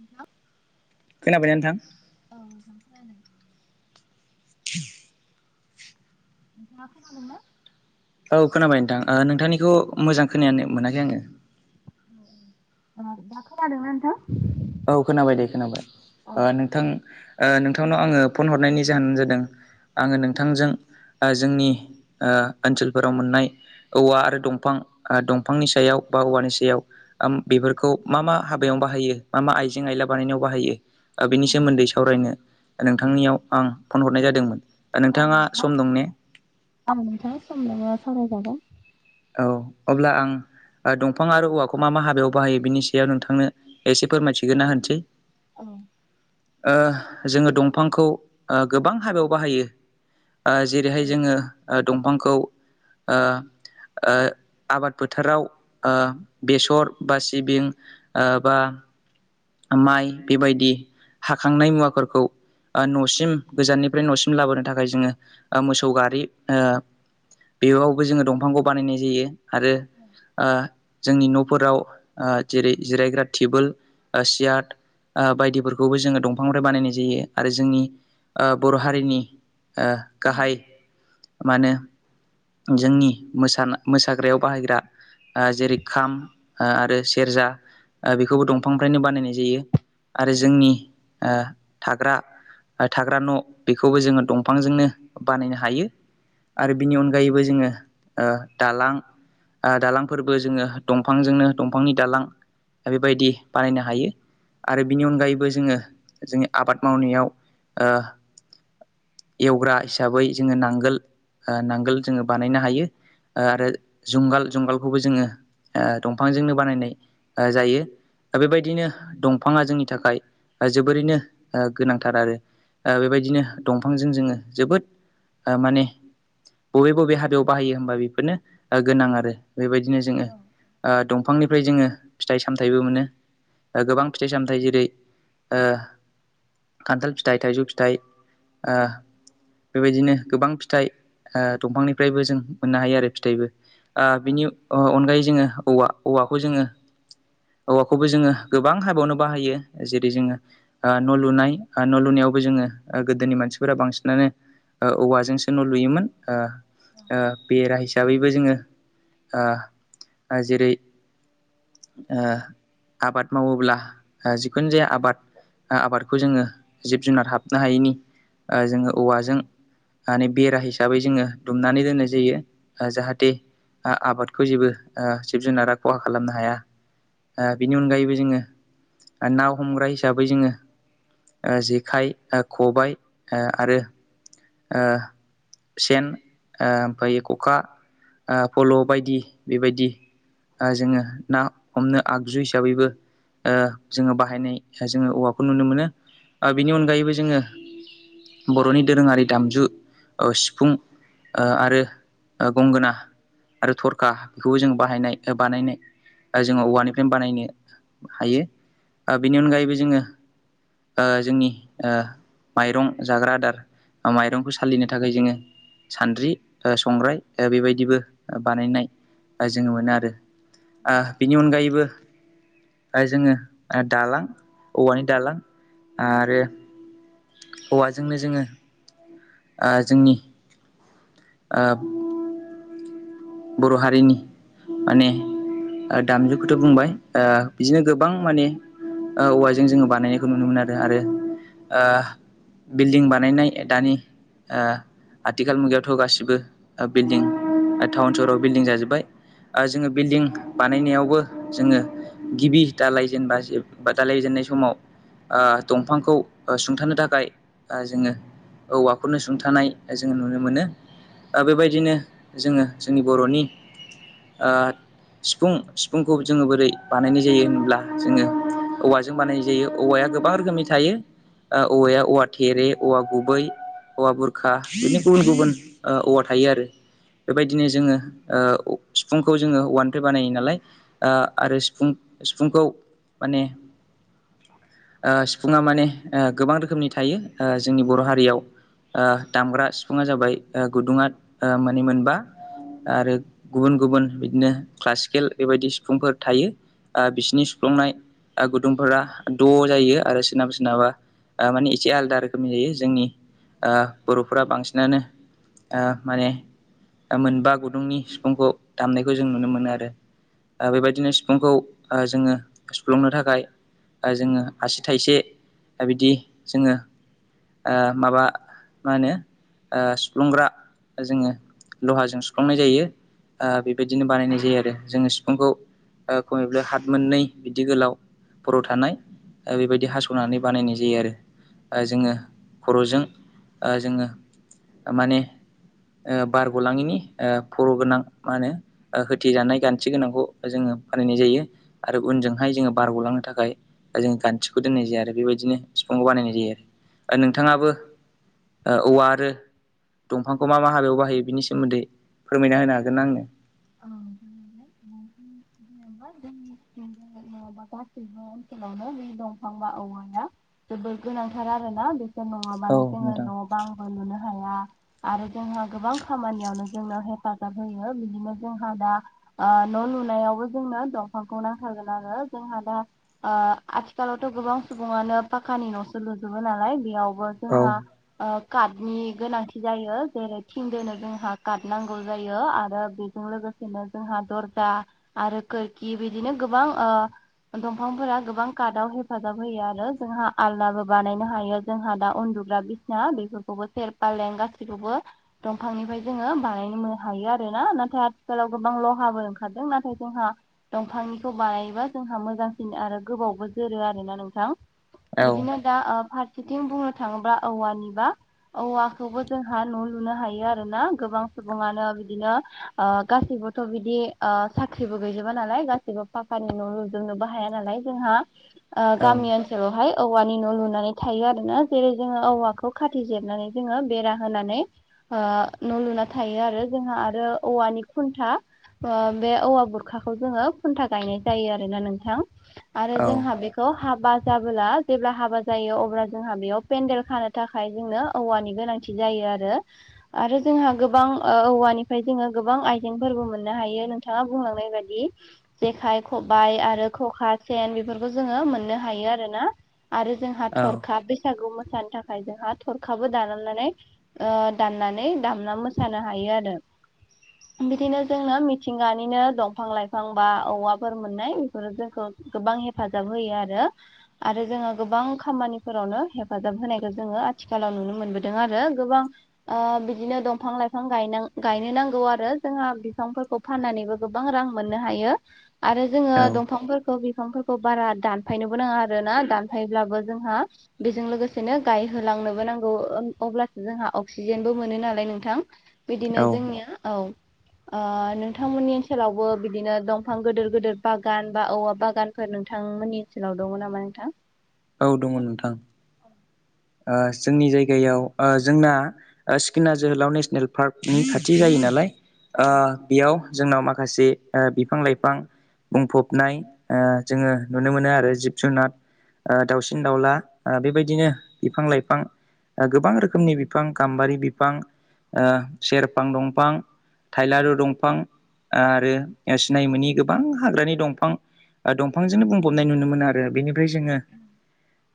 नोंथां खोनाबायना नोंथां औ [inaudible] हेलौ औ खोनाबाय नोंथां नोंथांनिखौ मोजां खोनानो मोनाखै आङो दा खोनादोंना नोंथां औ खोनाबाय दे खोनाबाय। औ ओ नोंथां नोंथांनाव आङो फन हरनायनि जाहोनानो जादों आङो नोंथांजों जोंनि ओनसोलफोराव मोननाय औवा आरो दंफां दंफांनि सायाव बा औवानि सायाव बेफोरखौ मा मा हाबायाव बाहायो मा मा आइजें आइला बानायनायाव बाहायो बेनि औ सोमोन्दै सावरायनो नोंथांनियाव आं फन हरनाय जादोंमोन औ नोंथाङा नोंथा सम दं ने? औ नोंथाङा सम दङो सावरायजागोन औ अब्ला आं दंफां आरो औवाखौ मा मा हाबायाव बाहायो बिनि सायाव नोंथांनो एसे फोरमायथिगोन औ नना होनसै औ जोङो दंफांखौ गोबां हाबायाव बाहायो औ जेरैहाय जोङो दंफांखौ आबाद फोथाराव बेसर बा सिबिं बा माइ बेबायदि हाखांनाय मुवाफोरखौ नसिम गोजाननिफ्राय नसिम लाबोनो थाखाय जोङो मोसौ गारि बेयावबो जोङो दंफांखौ बानायनाय जायो आरो जोंनि नफोराव जेरै जिरायग्रा टेबोल सियार ओ बायदिफोरखौबो जोङो दंफांनिफ्राय बानायनाय जायो आरो जोंनि बर हारिनि ओ औ गाहाय मा होनो जोंनि मोसाग्रायाव बाहायग्रा जेरै खाम आरो सेरजा बेखौबो दंफांनिनो बानायनाय जायो आरो जोंनि थाग्रा थाग्रा न बेखौबो जोङो दंफांजोंनो बानायनो हायो। आरो बिनि अनगायैबो जोङो दालां दालांफोरबो जोङो दंफांजोंनो दंफांनि दालां बेबायदि बानायनो हायो। आरो बिनि अनगायैबो जोङो जोंनि आबाद मावनायाव एवग्रा हिसाबै जोङो नांगोल नांगोल जोङो बानायनो हायो। आरो जुंगाल जुंगालखौबो जोङो दंफांजोंनो बानायनाय जायो। बेबायदिनो दंफाङा जोंनि थाखाय जोबोरैनो गोनांथार आरो बेबायदिनो दंफांजों जोङो जोबोद माने बबे बबे हाबायाव बाहायो। बेफोरनो गोनां आरो दंफांनि निमफ्राय जोङो फिथाइ सामथाइबो मोनो गोबां फिथाइ सामथाइ जेरै खान्थाल फिथाइ थाइजौ फिथाइ बेबायदिनो गोबां फिथाइ दंफांनिफ्रायबो जों मोननो हायो आरो फिथाइबो बिनि अनगायै जोङो औ औवाखौ जोङो औवाखौबो जोङो गोबां हाबायावनो बाहायो जेरै जोङो न लुनाय न लुनायाव बो जोङो गोदोनि मानसिफोरा बांसिनानो औवाजोंसो न लुयोमोन। आ हसाबैबो जोङो जेरै आबाद मावोब्ला जिखुनु जाया आबाद आबादखौ जोङो जिब जुनार हाबनो हायैनि जोङो औवाजों माने बेरा हिसाबै जोङो दुमनानै दोननाय जायो। जाहाथे आबादखौ जेबो जिब जुनारा खहा खालामनो हाया। बेनि अनगायैबो जोङो ना हमग्रा हिसाबै जोङो ओ जेखाइ ओ खबाय आरो ओ सेन ओमफ्राय खखा ओ फल' बायदि बेबायदि जोङो ना हमनो आगजु हिसाबैबो ओ जोङो बाहायनाय जोङो औवाखौ नुनो मोनो बिनि अनगायैबो जोङो बर'नि दोरोङारि दामजु सिफुं ओ आरो गंगोना आरो थरखा बेखौबो जों बाहायनाय बानायनाय जोङो औवानिफ्रायनो बानायनो हायो बेनि अनगायैबो जोङो ओ जोंनि ओ माइरं जाग्रा आदार माइरंखौ सालिनो थाखाय जोङो सान्द्रि संग्राय बेबायदिबो बानायनाय जोङो मोनो आरो ओ बेनि अनगायैबो जोङो दालां औवानि दालां आरो औवाजोंनो जोङो ओ जोंनि ओ बर' हारिनि माने दामजुखौथ' बुंबाय ओ बिदिनो गोबां माने औवाजों जोङो बानायनायखौ नुनो मोनो आरो आरो बिल्डिं बानायनाय दानि ओ आथिखाल मुगायावथ' गासिबो बिल्डिं टाउन सहराव बिल्डिं जाजोब्बाय ओ जोङो बिल्डिं बानायनायाव बो जोङो गिबि दालायजेनबा बा दालायजेननाय समाव ओ दंफांखौ सुंथानो थाखाय जोङो औवाखौनो सुंथानाय जोङो नुनो मोनो दा बेबायदिनो जोङो जोंनि बर'नि सिफुं सिफुंखौ जोङो बोरै बानायनाय जायो होनब्ला जोङो औवाजों बानायनाय जायो औवाया गोबां रोखोमनि थायो औवाया औवा थेरे औवा गुबै औवा बुरखा बिदिनो गुबुन गुबुन औवा थायो आरो बिदिनो जोङो सिफुंखौ जोङो औवानिफ्राय बानायो नालाय आरो सिफुं सिफुंखौ माने ओ सिफुङा माने गोबां रोखोमनि थायो जोंनि बर' हारियाव ओ दामग्रा सिफुङा जाबाय गुदुङा माने मोनबा आरो गुबुन गुबुन बिदिनो क्लासिकेल बेबायदि सिफुंफोर थायो बिसिनि सुफ्लंनाय गुदुंफोरा द' जायो आरो सोरनाबा सोरनाबा माने एसे आलादा रोखोमनि जायो जोंनि ओ बर'फोरा बांसिनानो ओ माने मोनबा गुदुंनि सिफुंखौ दामनायखौ जों नुनो मोनो आरो बेबायदिनो सिफुंखौ जोङो सुफ्लुंनो थाखाय ओ जोङो आसि थाइसे बिदि जोङो ओ माबा मा होनो सुफ्लुंग्रा जोङो लहाजों सुखांनाय जायो बेबायदिनो बानायनाय जायो आरो जोङो सिफुंखौ खमैबो हाथ मोननै बिदि गोलाव खर' थानाय बेबायदि हास'नानै बानायनाय जायो आरो जोङो खर'जों जोङो माने ओ बारग'लाङिनि फर' गोनां मा होनो होथजानाय गान्थि गोनांखौ जोङो बानायनाय जायो आरो उनजोंहाय जोङो बारग'लांनो थाखाय जों गान्थिखौ दोननाय जाया आरो बेबायदिनो सिफुंखौ बानायनाय औ जायो आरो औ नोंथाङाबो औवा आरो दंफांखौ मा मा हाबायाव बाहायो बिनि सोमोन्दै फोरमायना होनो हागोन ना आंनो औ [unintelligible] नो बे दंफां बा औवाया जोबोद गोनांथार आरोना बे दंफां नङाबानो औ जोङो नोंथां न' बांबो लुनो हाया आरो जोंहा गोबां खामानियावनो जोंनो हेफाजाब होयो बिदिनो जोंहा दा ओ न' लुनायावबो जोंनो दंफांखौ नांथारगोन आरो जोंहा दा ओ आथिखालावथ' गोबां सुबुङानो पाखानि न'सो लुजोबो नालाय बियाव बो औ जोंहा ओ कातनि गोनांथि जायो जेरै थिं दोनो जोंहा कात नांगौ जायो आरो बे जों लोगोसेनो जोंहा दरजा आरो खोरखि बिदिनो गोबां ओ दंफांफोरा गोबां कातआव हेफाजाब होयो आरो जोंहा आलनाबो बानायनो हायो जोंहा दा उन्दु ग्रा बिसना बेफोरखौबो सेर फालें गासैखौबो दंफांनिफाय जोङो बानायनो मो हायो आरो ना नाथाय आथिखालाव गोबां लहाबो ओंखारदों नाथाय जोंहा दंफांनिखौ बानायायोबा जोंहा मोजांसिन आरो। गोबावबो जोरो आरोना नोंथां औ बिदिनो दा ओ फारसेथिं बुंनो थाङोब्ला औवानिबा औवाखौबो जोंहा न' लुनो हायो आरोना गोबां सुबुङानो बिदिनो ओ गासैबोथ' आ बिदि साख्रिबो गैजोबा नालाय गासैबो फाफानि न' लुजोबनोबो हाया नालाय जोंहा औ गामि ओ ओनसोलावहाय औवानि न' लुनानै थायो आरोना जेरै जोङो औवाखौ खाथि जेरनानै जोङो बेरा होनानै ओ न' लुना थायो आरो जोंहा आरो औवानि खुन्था ओ बे औवा बुरखाखौ जोङो खुन्था गायनाय जायो आरोना नोंथां। आरो जोंहा बेखौ हाब हाबा जाबोला जेब्ला हाबा जायो अब्ला जोंहा बेयाव पेन्देल खानो थाखाय जोंनो औवानि गोनांथि जायो जायो आरो आरो जोंहा गोबां ओ औवानिफ्राय जोङो गोबां आइजेंफोरबो मोननो हायो नोंथाङा बुंलांनाय बादि जेखाइ, खबाइ आरो खखा सेन बिफोरखौ जोङो मोननो हायो आरोना। आरो जोंहा औ थरखा बैसागु मोसा मोसानो थाखाय जोंहा थरखाबो दानालानै दाननानै दामना मोसानो हायो आरो [inaudible] बिदिनो जोंनो मिथिंगानिनो दंफां लाइफां बा औवाफोर मोननाय बेफोरो जोंखौ। गोबां हेफाजाब होयो आरो आरो जोङो गोबां खामानिफोरावनो हेफाजाब होनायखौ जोङो आथिखालाव नुनो मोनबोदों आरो गोबां ओ बिदिनो दंफां लाइफां गायनां गायनो नांगौ आरो जोंहा बिफांफोरखौ फाननानैबो गोबां रां मोननो हायो आरो जोङो औ दंफांफोरखौ। बिफांफोरखौ बारा दानफायनोबो नाङा आरो ना दानफायोब्लाबो जोंहा बेजों लोगोसेनो गायहोलां नोबो नांगौ अब्लासो जोंहा अक्सिजेनबो मोनो नालाय नोंथां। बिदिनो औ जोंनिया औ। ओ नोंथांमोननि ओनसोलावबो बिदिनो दंफां गोदोर गोदोर बागान बा औवा बागानफोर नोंथां नोंथांमोननि ओनसोलाव दङो नामा नोंथां? औ दंङ' नोंथां? [inaudible] ओ जोंनि जायगायाव ओ जोंना सिखिना जोहोलाव नेसनेल पार्कनि खाथि जायो नालाय। ओ बियाव जोंनाव माखासे बिफां लाइफां बुंफबनाय ओ जोङो नुनो मोनो आरो जिब जुनार ओ दाउसिन दाउला ओ बेबायदिनो बिफां-लाइफां ओ गोबां रोखोमनि बिफां गाम्बारि बिफां ओ सेरफां दंफां ओ थाइलारु दंफां आरो सिनाय मोनि गोबां हाग्रानि दंफां ओ दंफांजोंनो बुंफबनाय नुनो मोनो आरो बेनिफ्राय जोङो।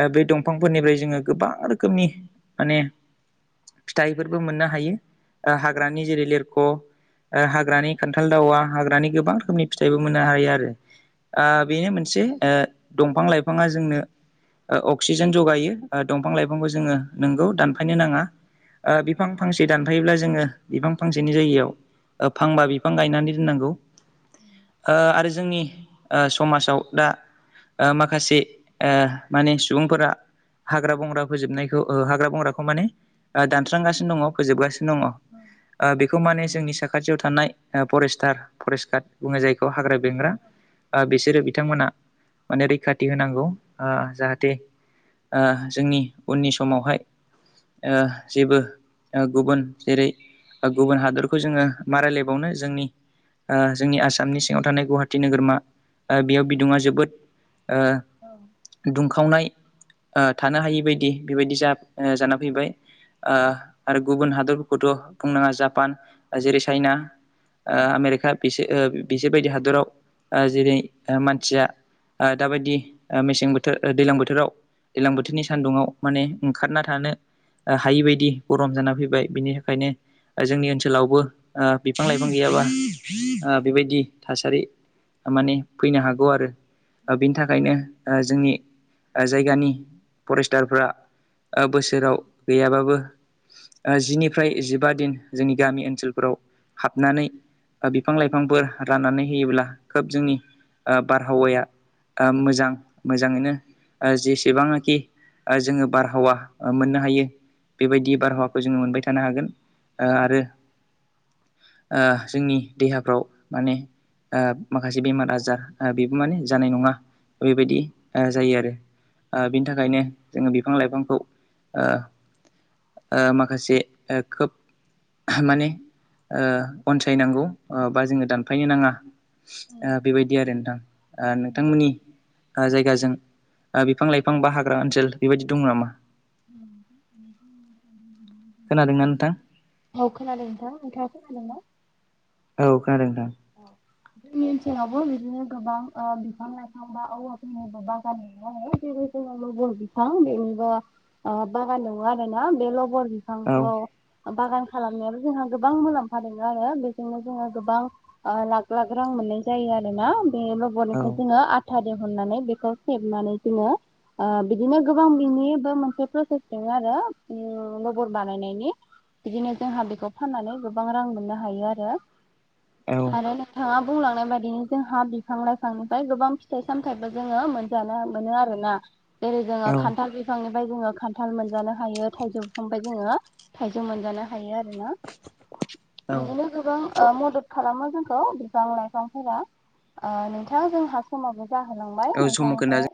ओ बे दंफांफोरनिफ्राय जोङो गोबां रोखोमनि माने फिथाइफोरबो मोननो हायो। ओ हाग्रानि जेरै लिरख' हाग्रानि ओ खान्थाल दावा हाग्रानि गोबां रोखोमनि फिथाइबो मोननो हायो आ बेनो मोनसे ओ दंफां लाइफाङा जोंनो ओ अक्सिजेन जगायो ओ दंफां लाइफांखौ जोङो नंगौ दान फायनो नाङा बिफां फांसे दानफायोब्ला जोङो बिफां फांसेनि जायगायाव फांबा बिफां गायनानै दोननांगौ आरो जोंनि समाजाव दा माखासे माने सुबुंफोरा हाग्रा बंग्रा फोजोबनायखौ हाग्रा बंग्राखौ माने दानस्रांगासिनो दंङो। फोबगासिनो दा बे माने जोंनि खाथियाव थानाय फरेस्टार फरेस्ट गार्ड बुंङो जायखौ हाग्रा बेंग्रा बिसोरो बिथांमोनहा माने रैखाथि होनांगौ। जाहाथे ओ जोंनि उननि समावहाय ओ जेबो गुबुन जेरै गुबुन हादरखौ जोंङो मारायलायबावनो जोंनि। जोंनि आसामनि सिङांव थानाय गुवाहाटि नोगोरमा बेयाव बिदुङा जोबोद। ओ दुंखावनाय थानो हायि बदि बेबायदि जा जाना फैबाय। आरो गुबुन हादरफोरखौथ' बुंनांङा जापान जेरै चाइना आ आमेरिका फिसे बिसोरबायदि हादराव जेरै मानसिया ओ दाबायदि मेसें बोथोर दैजलां बोथोराव दैज्लां बोथोरनि सान्दुङाव माने ओंखारना थानो हायि बायदि गरम जाना फैबाय बिनि थाखायनो जोंनि ओनसोलावबो ओ बिफां-लाइफां गैया मा बेबायदि थासारि माने फैनो हागौ आरो। बिनि थाखायनो जोंनि जायगानि फरेस्टारफ्रा बोसोराव गैयाबाबो जिनिफ्राय जिबा दिन जोंनि गामि ओनसोलफोराव हाबनानै बिफां लाइफांफोर राननानै होयोब्ला खोब जोंनि बारहावाया। ओ मोजां मोजांङैनो जेसेबांनाखि जोंङो बारहावा मोननो हायो। बेबायदि बारहावाखौ जोंङो मोनबाय थानो हागोन ओ आरो जोंनि देहाफ्राव माने माखासे बेमार आजार बेबो माने जानाय नंङा बेबायदि जायो आरो बिनि थाखायनो जोंङो बिफां लाइफांखौ माखासे खोब माने अनसायनांगौ बा जोंङो दानफायनो नांङा बेबायदि आरो नोंथां नोंथांमोननि जायगाजों बिफां लाइफां बा हाग्रा ओनसोल बेबायदि दं नामा [inaudible] खोनादोंना औ नोंथां खोनादों नोंथां औ खोनादों नोंथां जोंनि ओनसोलावबो बिदिनो गोबां बिफां लाइफां बा औ जों बबा गान आरो लबर बिफां बेनिबो बागान दङ आरो ना बे लबर औ बिफांखौ बागान खालामनायाबो जोंहा गोबां मुलाम्फा दंङो आरो बेजोंनो जोंङो गोबां लाख लाख रां मोननाय जायो आरो ना बे औ लब'निफ्राय जोंङो आथा हरनानै बेखौ हेबनानै जोंङो बिदिनो गोबां बिनिबो मोनसे प्रसेस दं आरो नबर बानायनायनि बिदिनो जोंहा बेखौ फाननानै गोबां रां मोननो हायो आरो औ आरो नोंथाङा बुंलांनाय बायदिनो जोंहाा बिफां लाइफांनिफ्राय गोबां फिथाइ सामथायाइबो जोंङो मोनजानो मोनो आरोना जेरै जोंङो खान्थाल बिफांनि फ्राय जोंङो खान्थाल मोनजानो हायो थाइजौ बि फांबाय जोंङो थाइजौ मोनजानो हायो आरोना औ बिदिनो गोबां मदद खालामो जोंखौ बिफां लाइफांफोरा नोंथाङा जोंहा समावबो जाहोलांबाय औ समाव खोना नोंथांनिफ्राय